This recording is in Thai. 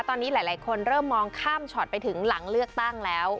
ตอนนี้หลายคนเริ่มมองข้ามช็อตไปถึงหลังเลือกตั้งแล้ว